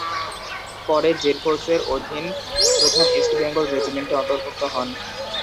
পরে ’জেড’ ফোর্সের অধীন প্রথম ইস্ট বেঙ্গল রেজিমেন্টে অন্তর্ভুক্ত হন।